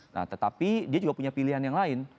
nah tetapi dia juga punya pilihan yang lain